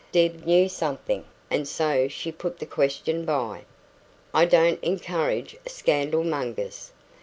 Deb knew something, and so she put the question by. "I don't encourage scandalmongers.